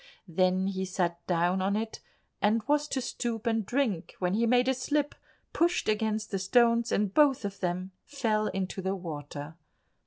Then he sat down on it, and was to stoop and drink, when he made a slip, pushed against the stones, and both of them fell into the water.